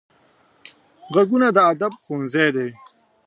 غوږونه د ادب ښوونځی دي